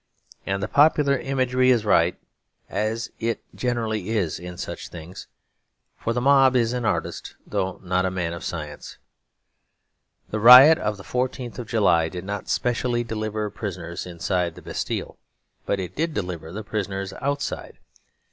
And the popular imagery is right, as it generally is in such things: for the mob is an artist, though not a man of science. The riot of the 14th of July did not specially deliver prisoners inside the Bastille, but it did deliver the prisoners outside.